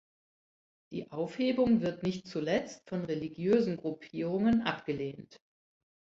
Die Aufhebung wird nicht zuletzt von religiösen Gruppierungen abgelehnt.